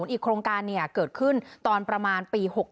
อีกโครงการเกิดขึ้นตอนประมาณปี๖๖